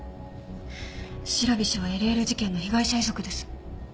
白菱はＬＬ事件の被害者遺族です。